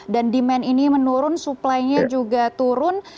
dan demand ini menurun suplainya juga turun